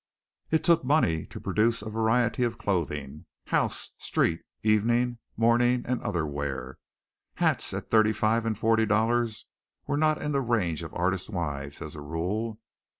It took money to produce a variety of clothing house, street, evening, morning and other wear. Hats at thirty five and forty dollars were not in the range of artists' wives, as a rule.